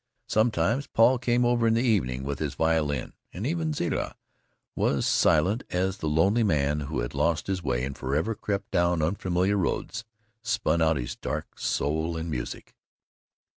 Sometimes Paul came over in the evening with his violin, and even Zilla was silent as the lonely man who had lost his way and forever crept down unfamiliar roads spun out his dark soul in music.